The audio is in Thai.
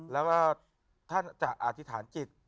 แล้วก็ท่านจะอธิษฐานจิต